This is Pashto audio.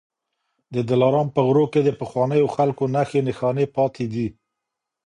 د دلارام په غرو کي د پخوانيو خلکو نښې نښانې پاتې دي